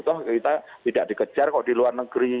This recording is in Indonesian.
toh kita tidak dikejar kok di luar negeri